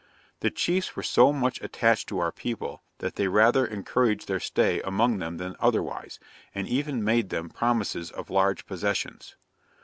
The chiefs were so much attached to our people, that they rather encouraged their stay among them than otherwise, and even made them promises of large possessions.